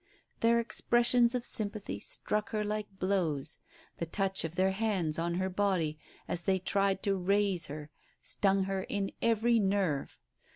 Their expressions of sympathy struck her like blows, the touch of their hands on her body, as they tried to raise her, stung her in every nerve.